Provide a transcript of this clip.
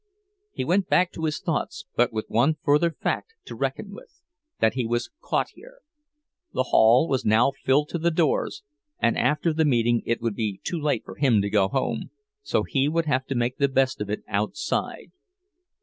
He went back to his thoughts, but with one further fact to reckon with—that he was caught here. The hall was now filled to the doors; and after the meeting it would be too late for him to go home, so he would have to make the best of it outside.